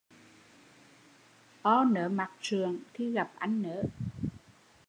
O nớ mặt sượng khi gặp anh nớ